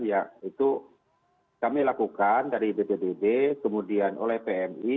ya itu kami lakukan dari bpbd kemudian oleh pmi